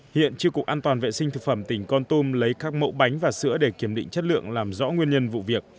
hiện tri cục an toàn vệ sinh thực phẩm tỉnh con tum lấy các mẫu bánh và sữa để kiểm định chất lượng làm rõ nguyên nhân vụ việc